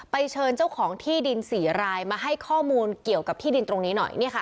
เชิญเจ้าของที่ดิน๔รายมาให้ข้อมูลเกี่ยวกับที่ดินตรงนี้หน่อย